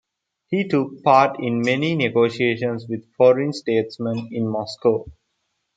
He took part in many negotiations with foreign statesmen in Moscow.